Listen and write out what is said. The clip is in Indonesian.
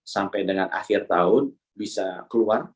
sampai dengan akhir tahun bisa keluar